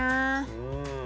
うん。